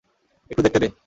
একটু দেখতে দে।